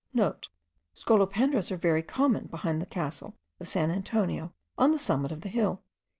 (* Scolopendras are very common behind the castle of San Antonio, on the summit of the hill.)